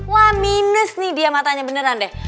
wah minus nih dia matanya beneran deh